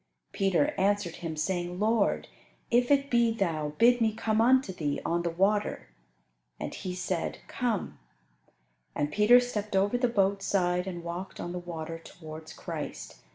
Peter answered Him, saying, "Lord, if it be Thou, bid me come unto Thee on the water." And He said, "Come," and Peter stepped over the boat's side and walked on the water towards Christ.